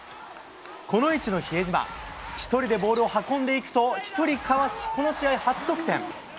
この位置の比江島、１人でボールを運んでいくと、１人かわし、この試合、初得点。